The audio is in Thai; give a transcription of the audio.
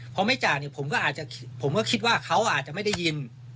เพราะไม่จากเนี่ยผมก็คิดว่าเขาอาจจะไม่ได้ยิน